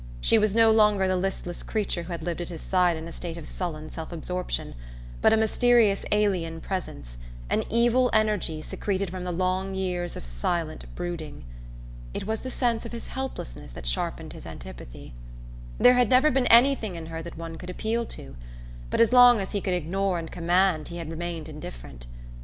She was no longer the listless creature who had lived at his side in a state of sullen self absorption, but a mysterious alien presence, an evil energy secreted from the long years of silent brooding. It was the sense of his helplessness that sharpened his antipathy. There had never been anything in her that one could appeal to; but as long as he could ignore and command he had remained indifferent.